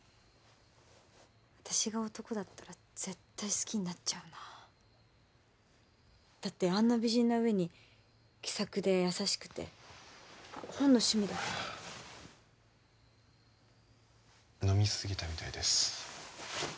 私が男だったら絶対好きになっちゃうなだってあんな美人な上に気さくで優しくて本の趣味だって飲みすぎたみたいです